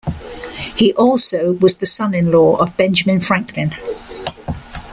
He also was the son-in-law of Benjamin Franklin.